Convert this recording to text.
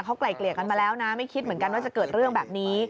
เขาไกลเกลี่ยกันมาแล้วนะไม่คิดเหมือนกันว่าจะเกิดเรื่องแบบนี้